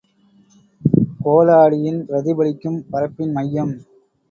கோள ஆடியின் பிரதிபலிக்கும் பரப்பின் மையம்.